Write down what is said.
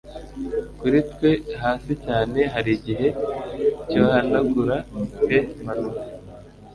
Kuri twe hasi cyane harigihe cyohanagura pe manuka